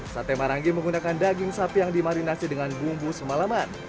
sate marangi menggunakan daging sapi yang dimarinasi dengan bumbu semalaman